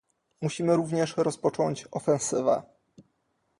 Musimy również rozpocząć ofensywę